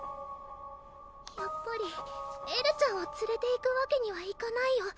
やっぱりエルちゃんはつれていくわけにはいかないよ